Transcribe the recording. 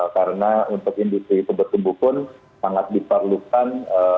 karena untuk industri itu bertumbuh pun sangat diperlukan